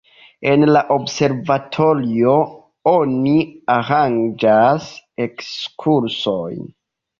En la observatorio oni aranĝas ekskursojn.